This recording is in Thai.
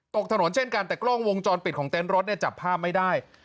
ตกถนนเช่นกันแต่กล้องวงจรปิดของเต็นต์รถเนี่ยจับภาพไม่ได้